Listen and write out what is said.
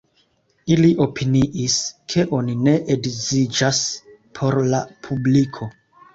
Ili opiniis, ke oni ne edziĝas por la publiko.